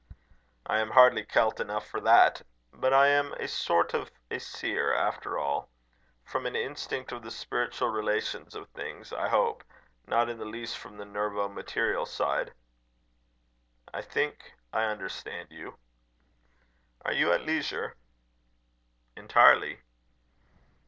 "I am hardly Celt enough for that. But I am a sort of a seer, after all from an instinct of the spiritual relations of things, I hope; not in the least from the nervo material side." "I think I understand you." "Are you at leisure?" "Entirely."